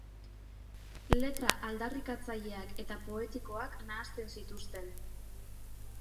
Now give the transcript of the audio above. Letra aldarrikatzaileak eta poetikoak nahasten zituzten.